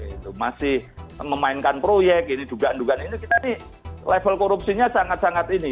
itu masih memainkan proyek ini dugaan dugaan ini kita nih level korupsinya sangat sangat ini